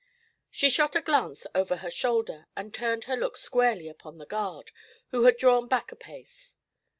She shot a glance over her shoulder, and turned her look squarely upon the guard, who had drawn back a pace.